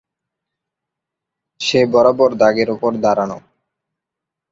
সে বরাবর দাগের ওপর দাঁড়ানো।